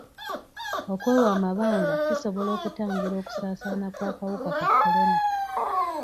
Okwewa amabanga kisobola okutangira okusaasaana kw'akawuka ka kolona.